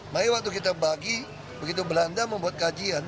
makanya waktu kita bagi begitu belanda membuat kajian